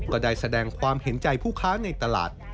ก็ได้แสดงความเห็นใจผู้ค้าในตลาด